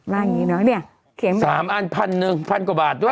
สามอันพันหนึ่งพันกว่าบาทด้วย